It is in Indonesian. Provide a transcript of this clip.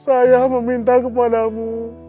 saya meminta kepada mu